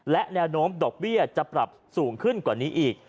และแนวโน้มดอกเบี้ยจะปรับสูงขึ้นกว่านี้อีก